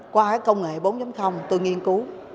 qua cái công nghệ bốn tôi nghiên cứu